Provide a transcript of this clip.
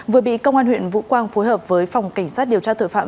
vừa bị công an huyện vũ quang phối hợp với phòng cảnh sát điều tra tội phạm